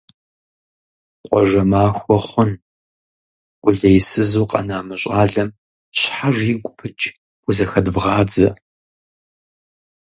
- Къуажэ махуэ хъун, къулейсызу къэна мы щӀалэм щхьэж игу пыкӀ хузэхэдвгъадзэ! –.